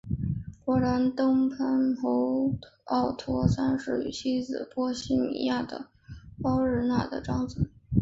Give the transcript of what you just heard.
勃兰登堡藩侯奥托三世与妻子波希米亚的鲍日娜的长子。